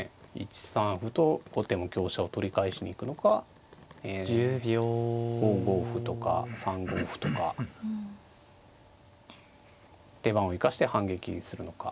１三歩と後手も香車を取り返しに行くのか５五歩とか３五歩とか手番を生かして反撃するのか。